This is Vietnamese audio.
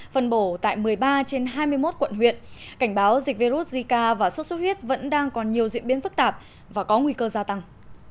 phân bổ tại một mươi ba trên hai mươi một quận huyện cảnh báo dịch virus zika và sốt xuất huyết vẫn đang còn nhiều diễn biến phức tạp và có nguy cơ gia tăng